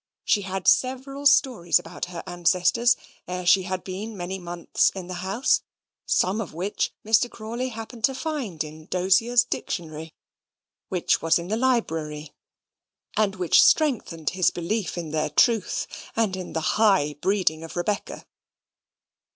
She had several stories about her ancestors ere she had been many months in the house; some of which Mr. Crawley happened to find in D'Hozier's dictionary, which was in the library, and which strengthened his belief in their truth, and in the high breeding of Rebecca.